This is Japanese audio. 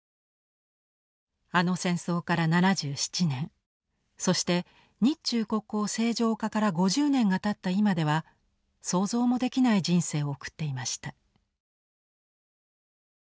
あの戦争から７７年そして日中国交正常化から５０年がたった今では想像もできない人生を送っていました。